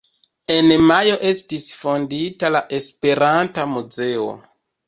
En Majo estis fondita la Esperanta Muzeo.